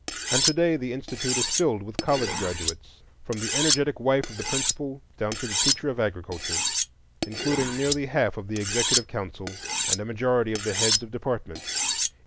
And to day the institute is filled with college graduates, from the energetic wife of the principal down to the teacher of agriculture, including nearly half of the executive council and a majority of the heads of departments.